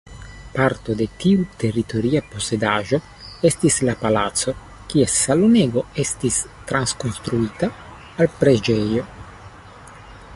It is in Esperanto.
Parto de tiu teritoria posedaĵo estis la palaco kies salonego estis trakonstruita al preĝejo.